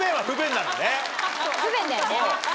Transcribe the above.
不便だよね。